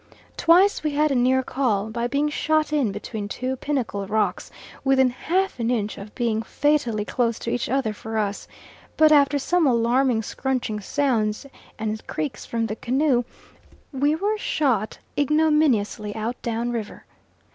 Twice we had a near call, by being shot in between two pinnacle rocks, within half an inch of being fatally close to each other for us; but after some alarming scrunching sounds, and creaks from the canoe, we were shot ignominiously out down river.